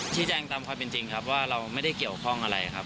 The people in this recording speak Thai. แจ้งตามความเป็นจริงครับว่าเราไม่ได้เกี่ยวข้องอะไรครับ